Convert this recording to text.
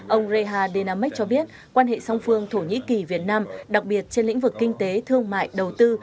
ông reha dynamics cho biết quan hệ song phương thổ nhĩ kỳ việt nam đặc biệt trên lĩnh vực kinh tế thương mại đầu tư